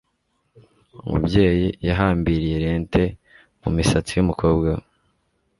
Umubyeyi yahambiriye lente mumisatsi yumukobwa we.